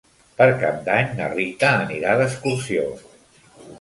Per Cap d'Any na Rita anirà d'excursió.